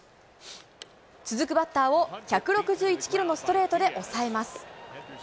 続くバッターを１６１キロのストレートで抑えます。